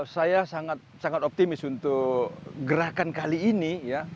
saya sangat optimis untuk gerakan kali ini